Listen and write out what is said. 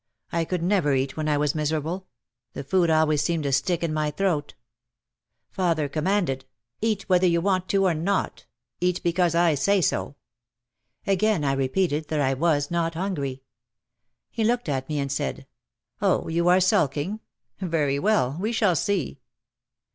I could never eat when I was miserable. The food always seemed to stick in my throat. Father com OUT OF THE SHADOW 95 manded, "Eat whether you want to or not. Eat because I say so !" Again I repeated that I was not hungry. He looked at me and said : "Oh, you are sulking ? Very well, we shall see."